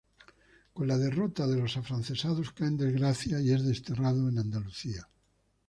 Con la derrota de los afrancesados cae en desgracia y es desterrado en Andalucía.